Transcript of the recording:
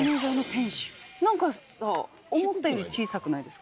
何かさ思ったより小さくないですか？